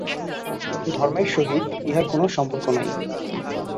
ধর্মের সহিত ইহার কোন সম্পর্ক নাই।